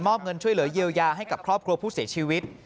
เงินช่วยเหลือเยียวยาให้กับครอบครัวผู้เสียชีวิต